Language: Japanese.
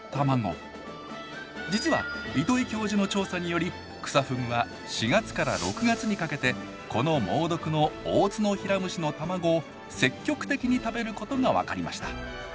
実は糸井教授の調査によりクサフグは４月から６月にかけてこの猛毒のオオツノヒラムシの卵を積極的に食べることが分かりました。